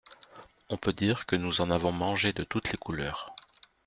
On peut dire que nous en avons mangé de toutes les couleurs.